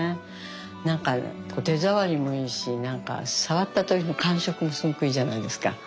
なんか手触りもいいしなんか触った時の感触もすごくいいじゃないですか。